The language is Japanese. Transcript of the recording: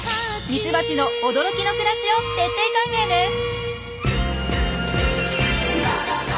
ミツバチの驚きの暮らしを徹底解明です！